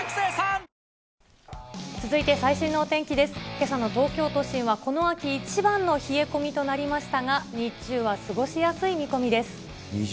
けさの東京都心はこの秋一番の冷え込みとなりましたが、日中は過ごしやすい見込みです。